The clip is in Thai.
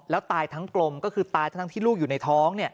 แล้วตายทั้งกลมก็คือตายทั้งที่ลูกอยู่ในท้อง